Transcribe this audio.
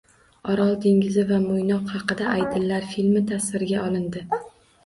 Orol dengizi va Mo‘ynoq haqida "Aydinlar" filmi tasvirga olindi